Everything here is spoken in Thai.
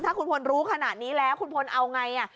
ถ้าคุณพลรู้ขนาดนี้แล้วคุณพลเอาไง